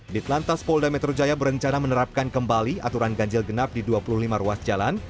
di telantas polda metro jaya berencana menerapkan kembali aturan ganjil genap di dua puluh lima ruas jalan